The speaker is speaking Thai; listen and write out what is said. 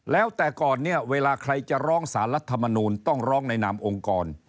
แล้วแต่ก่อนเนี่ยเวลาใครจะร้องสารรัฐมนูลต้องร้องในนามองค์กร